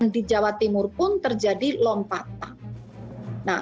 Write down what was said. di jawa timur pun terjadi lompatan